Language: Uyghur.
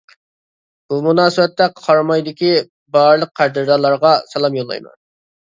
بۇ مۇناسىۋەتتە قارامايدىكى بارلىق قەدىردانلارغا سالام يوللايمەن.